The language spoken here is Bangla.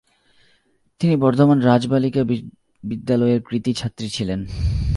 তিনি বর্ধমান রাজ বালিকা বিদ্যালয়ের কৃতি ছাত্রী ছিলেন।